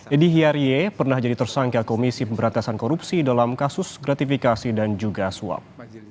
edi hiarie pernah jadi tersangka komisi pemberantasan korupsi dalam kasus gratifikasi dan juga suap